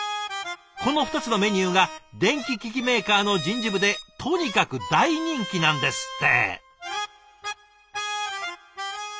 この２つのメニューが電気機器メーカーの人事部でとにかく大人気なんですって。